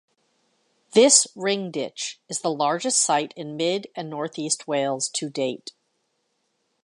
This ring ditch is the largest site in mid and northeast Wales to date.